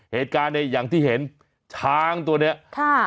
เหตุการณ์เนี่ยอย่างที่เห็นช้างตัวเนี้ยค่ะ